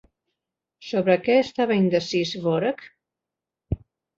Sobre què estava indecís Dvořák?